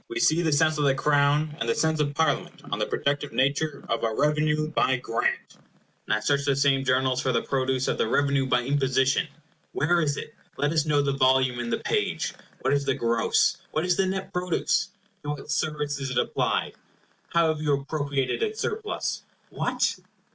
We see the sense of the Crown, and the sense of Parliament, on the productive nature of a REVENUE BY GRANT. Now search the same Journals for the produce of the REVENUE BY IMPOSITION. Where is it? Let us know the volume and the page. What is the gross, what is the net produce? To what service is it applied? How have you appropriated its surplus? What!